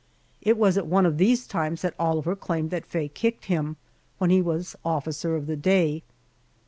It was at One of these times that Oliver claimed that Faye kicked him, when he was officer of the day.